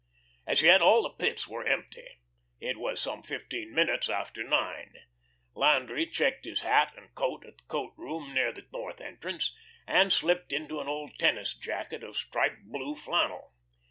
As yet all the pits were empty. It was some fifteen minutes after nine. Landry checked his hat and coat at the coat room near the north entrance, and slipped into an old tennis jacket of striped blue flannel.